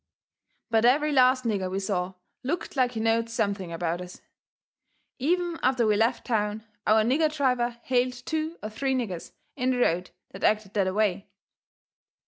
But every last nigger we saw looked like he knowed something about us. Even after we left town our nigger driver hailed two or three niggers in the road that acted that away.